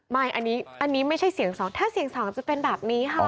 ไม่อันนี้ไม่ใช่เสียง๒ถ้าเสียง๒จะเป็นแบบนี้ค่ะ